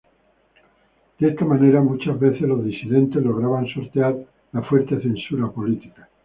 De esa manera, muchas veces los disidentes lograban sortear la fuerte censura política.